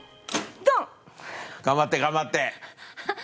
頑張って頑張って。